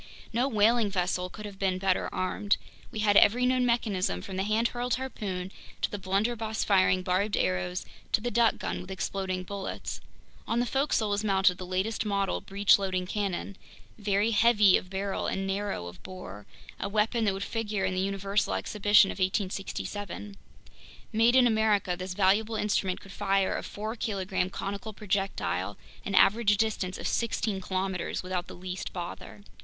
No whaling vessel could have been better armed. We had every known mechanism, from the hand hurled harpoon, to the blunderbuss firing barbed arrows, to the duck gun with exploding bullets. On the forecastle was mounted the latest model breech loading cannon, very heavy of barrel and narrow of bore, a weapon that would figure in the Universal Exhibition of 1867. Made in America, this valuable instrument could fire a four kilogram conical projectile an average distance of sixteen kilometers without the least bother.